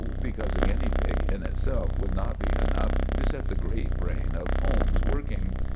Because a guinea pig in itself would not be enough to set the great brain of Holmes working.